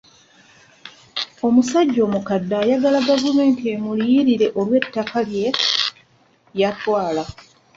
Omusajja omukadde ayagala gavumenti emuliyirire olw'ettaka lye yatwala.